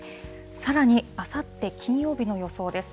さらに、あさって金曜日の予想です。